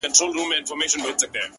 لمن كي مي د سپينو ملغلرو كور ودان دى”